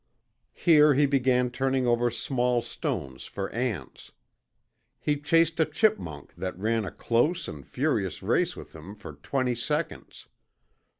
Here he began turning over small stones for ants. He chased a chipmunk that ran a close and furious race with him for twenty seconds.